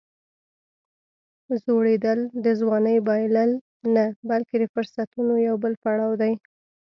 زوړېدل د ځوانۍ بایلل نه، بلکې د فرصتونو یو بل پړاو دی.